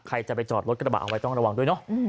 ใครจะไปจอดรถกระบะเอาไว้ต้องระวังด้วยเนอะ